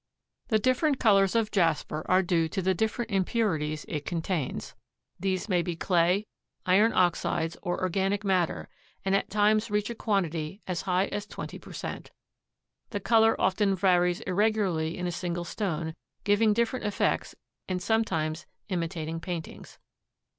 The different colors of jasper are due to the different impurities it contains. These may be clay, iron oxides or organic matter and at times reach a quantity as high as twenty per cent. The color often varies irregularly in a single stone, giving different effects and sometimes imitating paintings.